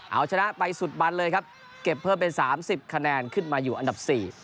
เอาชนะไปสุดบันเลยครับเก็บเพิ่มเป็น๓๐คะแนนขึ้นมาอยู่อันดับ๔